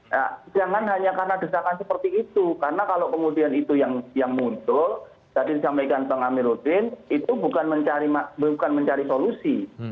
nah jangan hanya karena desakan seperti itu karena kalau kemudian itu yang muncul tadi disampaikan bang amiruddin itu bukan mencari solusi